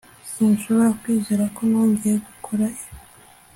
sinshobora kwizera ko nongeye gukora ibi